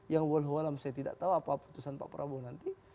yang walau alam saya tidak tahu apa putusan pak prabowo nanti